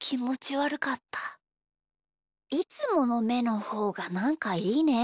いつものめのほうがなんかいいね。